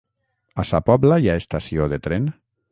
A Sa Pobla hi ha estació de tren?